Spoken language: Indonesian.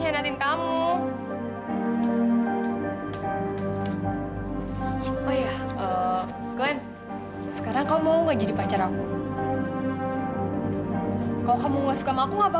kalau kamu gak suka sama aku gak apa apa